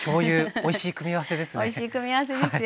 おいしい組み合わせですよね。